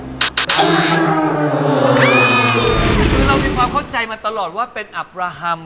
คือเรามีความเข้าใจมาตลอดว่าเป็นอับราฮัม